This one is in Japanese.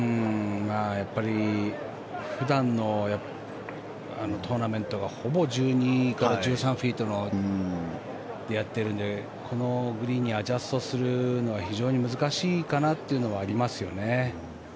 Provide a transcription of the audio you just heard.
やっぱり普段のトーナメントがほぼ１２から１３フィートでやっているのでこのグリーンにアジャストするのは非常に難しいかなというのはありますよね。